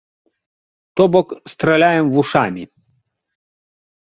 То бок, страляем вушамі.